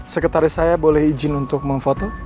sekretaris saya boleh izin untuk memfoto